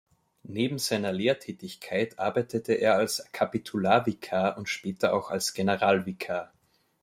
Neben seiner Lehrtätigkeit arbeitete er als Kapitularvikar und später auch als Generalvikar.